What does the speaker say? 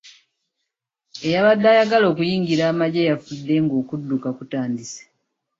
Eyabadde ayagala okuyingira amagye yafudde nga okudduka kutandise.